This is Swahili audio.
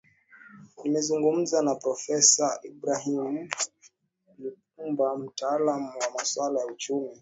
nimezungumza na profesa ibrahim lipumba mtaalam wa masuala ya uchumi